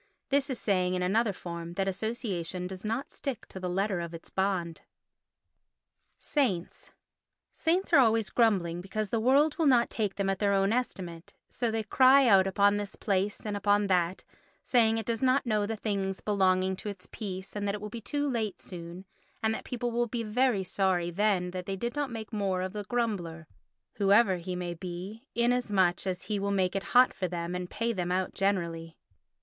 This is saying in another form that association does not stick to the letter of its bond. Saints Saints are always grumbling because the world will not take them at their own estimate; so they cry out upon this place and upon that, saying it does not know the things belonging to its peace and that it will be too late soon and that people will be very sorry then that they did not make more of the grumbler, whoever he may be, inasmuch as he will make it hot for them and pay them out generally.